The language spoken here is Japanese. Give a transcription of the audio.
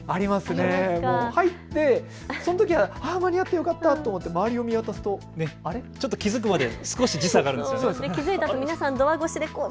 入ってそのときは間に合ってよかったと思って周りを見渡すと、はっとする、気付くまで時間があるんですよね。